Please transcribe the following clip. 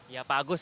ya pak agus